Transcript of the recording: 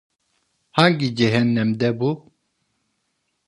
Hangi cehennemde bu?